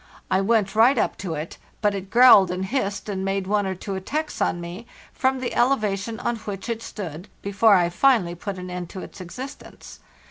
I went right up to it, but it growled and hissed, and made one or two attacks on me from the elevation on which it stood before I finally put an end to its existence.